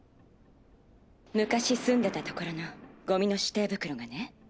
昔住んでた所のゴミの指定袋がね。